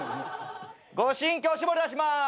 ご新規お絞り出します。